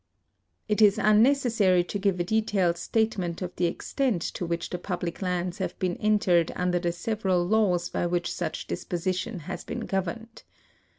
It is umiecessary to give a detailed statement of the extent to which the public lands have been entered under the several laws b}^ which such disposition has been governed.